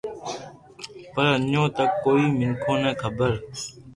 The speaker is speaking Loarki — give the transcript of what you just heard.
پر اڄو تڪ ڪوئي مينکو ني خبر